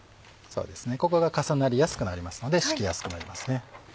ここが重なりやすくなりますので敷きやすくなりますね。